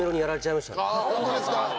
あぁホントですか。